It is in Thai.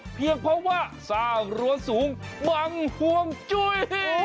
เพียงเพราะว่าสร้างรั้วสูงบังห่วงจุ้ย